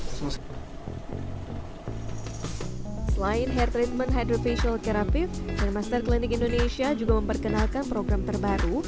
pasien hair treatment hydra facial keravive dan dermaster clinic indonesia juga memperkenalkan program terbaru